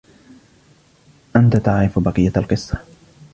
أنتَ تعرف بقية القصة.